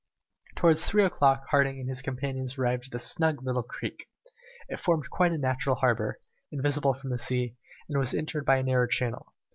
Towards three o'clock Harding and his companions arrived at a snug little creek. It formed quite a natural harbour, invisible from the sea, and was entered by a narrow channel.